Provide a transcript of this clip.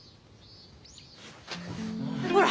ほら！